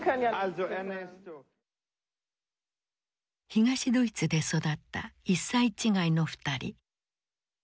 東ドイツで育った１歳違いの２人。